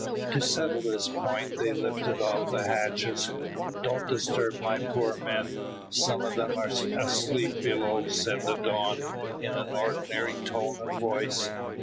To settle this point, they lifted off the hatches. "Don't disturb my poor men. Some of them are asleep below," said the Don, in an ordinary tone of voice.